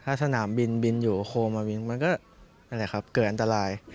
ถ้าสนามบินบินอยู่โคมมาบินมันก็เกิดอันตราย